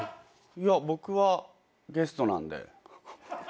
いや僕はゲストなんで。